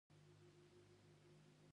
د میوو باغونه حلال عاید لري.